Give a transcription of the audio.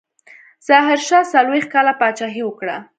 ظاهرشاه څلوېښت کاله پاچاهي وکړه.